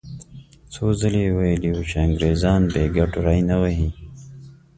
څو ځلې یې ویلي وو چې انګریزان بې ګټو ری نه وهي.